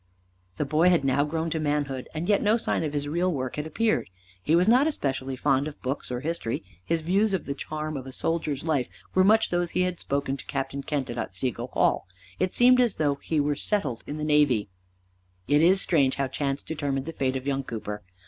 The boy had now grown to manhood, and yet no sign of his real work had appeared. He was not especially fond of books or history, his views of the charm of a soldier's life were much those he had spoken to Captain Kent at Otsego Hall. It seemed as though he were settled in the navy. It is strange how chance determined the fate of young Cooper.